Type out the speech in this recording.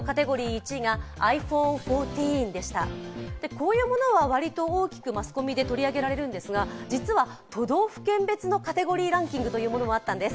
こういうものは割と大きくマスコミで取り上げられるんですが実は都道府県別のカテゴリーランキングというものもあったんです。